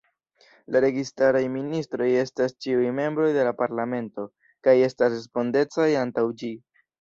La registaraj ministroj estas ĉiuj membroj de la Parlamento, kaj estas respondecaj antaŭ ĝi.